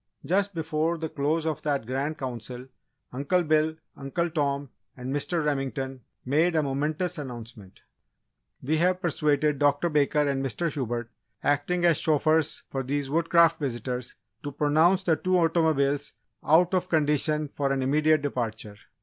Just before the close of that Grand Council Uncle Bill, Uncle Tom, and Mr. Remington made a momentous announcement. "We have persuaded Dr. Baker and Mr. Hubert, acting as chauffeurs for these Woodcraft visitors, to pronounce the two automobiles out of condition for an immediate departure.